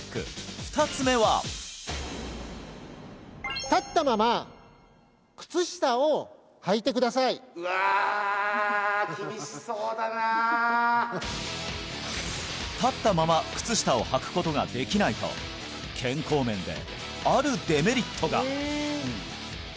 ２つ目は立ったまま靴下をはくことができないと健康面であるデメリットが！